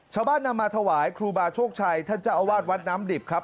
ชาวบ้านเอามาถวายครูบาโชคชัยทรัศจอวาทวัดมาสน้ำดิบ